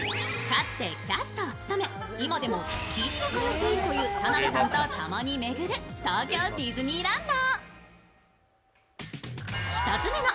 かつてキャストを務め今でも月１で通っているという田辺さんとともに巡る東京ディズニーランド。